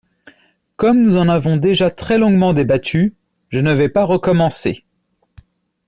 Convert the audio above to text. Comme nous en avons déjà très longuement débattu, je ne vais pas recommencer.